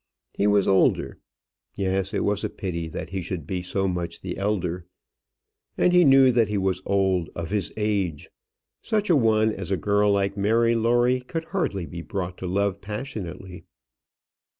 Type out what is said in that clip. He was older. Yes; it was a pity that he should be so much the elder. And he knew that he was old of his age, such a one as a girl like Mary Lawrie could hardly be brought to love passionately.